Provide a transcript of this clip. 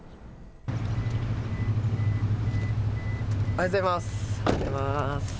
おはようございます。